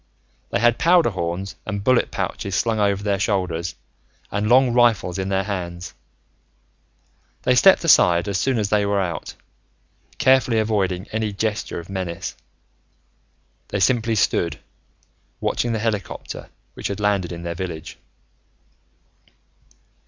They had powder horns and bullet pouches slung over their shoulders, and long rifles in their hands. They stepped aside as soon as they were out. Carefully avoiding any gesture of menace, they simply stood, watching the helicopter which had landed in their village.